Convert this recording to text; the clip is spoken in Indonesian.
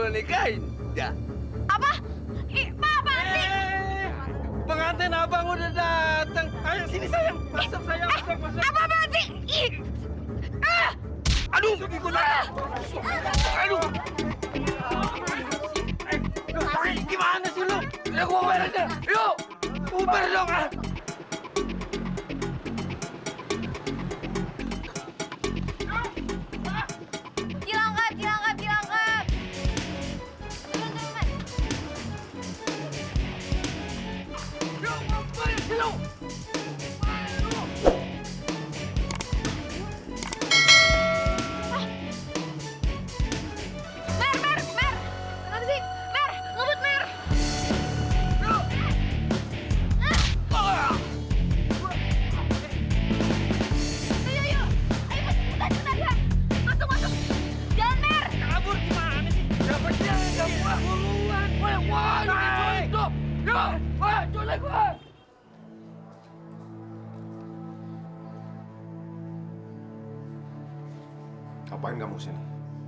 ngapain kamu kesini